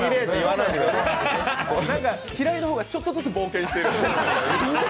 平井のほうが、ちょっとずつ冒険してる。